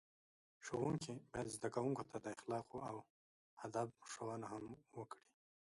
ښوونکي باید زده کوونکو ته د اخلاقو او ادب ښوونه هم وکړي.